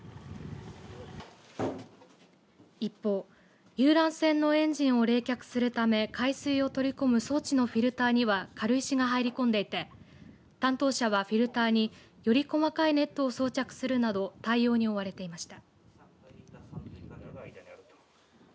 一方、遊覧船のエンジンを冷却するため海水を取り込む装置のフィルターには軽石が入り込んでいて担当者はフィルターにより細かいネットを装着するなど対応に追われていました。